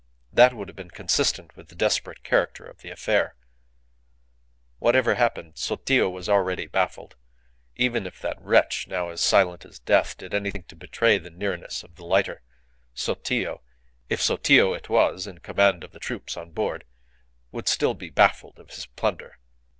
That would have been consistent with the desperate character of the affair. Whatever happened, Sotillo was already baffled. Even if that wretch, now as silent as death, did anything to betray the nearness of the lighter, Sotillo if Sotillo it was in command of the troops on board would be still baffled of his plunder.